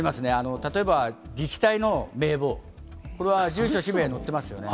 例えば自治体の名簿、これは住所、氏名載ってますよね。